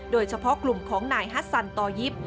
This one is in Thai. โดยเฉพาะกลุ่มของนายฮัสซันตอยิป